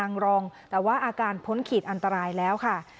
รองแต่ว่าอาการพ้นขีดอันตรายแล้วค่ะ